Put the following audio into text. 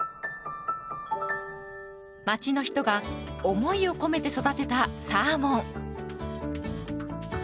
町の人が思いを込めて育てたサーモン。